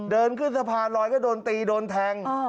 เดินขึ้นสะพานลอยก็โดนตีโดนแทง